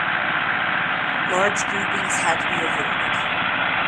Large groupings had to be avoided.